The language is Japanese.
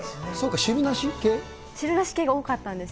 汁なし系が多かったんですよ。